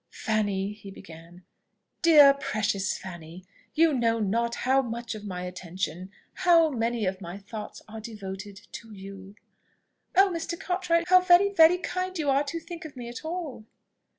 "Fanny!" he began, "dear, precious Fanny! you know not how much of my attention how many of my thoughts are devoted to you!" "Oh! Mr. Cartwright, how very, very kind you are to think of me at all!"